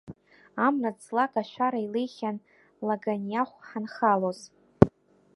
Амра ҵлак ашәара илеихьан Лаганиахә ҳанхалоз.